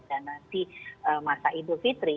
dan nanti masa idul fitri